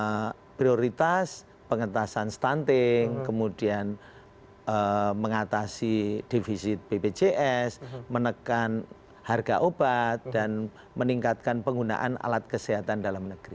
yang prioritas pengetasan stunting kemudian mengatasi defisit bpjs menekan harga obat dan meningkatkan penggunaan alat kesehatan dalam negeri